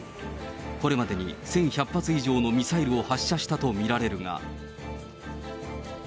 これまでに１１００発以上のミサイルを発射したと見られるが。